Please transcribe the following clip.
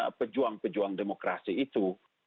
karena pejuang pejuang demokrasi itu